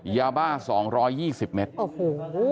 ยาบ้าสองร้อยยี่สิบเม็ดโอ้โห